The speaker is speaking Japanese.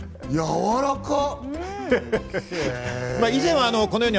わらかっ！